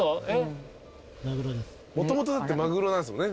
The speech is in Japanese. もともとだってマグロなんですもんね。